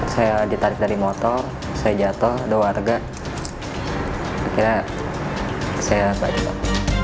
saya ditarik dari motor saya jatuh ada warga akhirnya saya balik